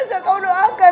bapak mau operasi lagi ma